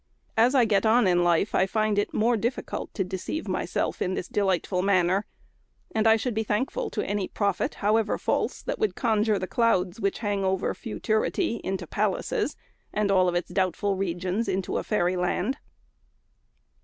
As I get on in life, I find it more difficult to deceive myself in this delightful manner; and I should be thankful to any prophet, however false, that would conjure the clouds which hang over futurity into palaces, and all its doubtful regions into fairyland.